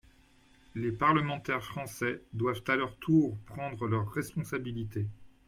Les parlementaires français doivent à leur tour prendre leurs responsabilités.